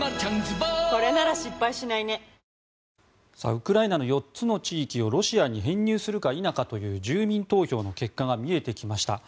ウクライナの４つの地域をロシアに編入するか否かという住民投票の結果が見えてきました。